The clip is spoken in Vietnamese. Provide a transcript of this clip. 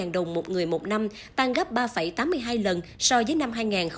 tám mươi đồng một người một năm tăng gấp ba tám mươi hai lần so với năm hai nghìn một mươi một